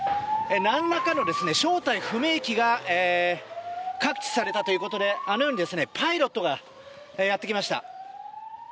なんらかの正体不明機が覚知されたということであのようにパイロットがやってきました。